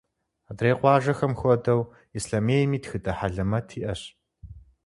Адрей къуажэхэм хуэдэу, Ислъэмейми тхыдэ хьэлэмэт иӏэщ.